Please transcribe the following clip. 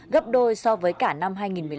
gấp đôi so với cả năm hai nghìn một mươi năm